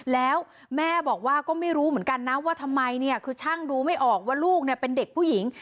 แล้วแม่บอกว่าก็ไม่รู้เหมือนกันนะว่าทำไมเนี่ยคือช่างดูไม่ออกว่าลูกเป็นเด็กผู้หญิง